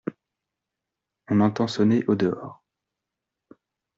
On entend sonner au-dehors.